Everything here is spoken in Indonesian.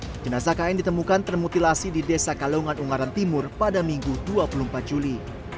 jenazah kn ditemukan termutilasi di desa kalungan ungaran timur pada minggu dua puluh empat juli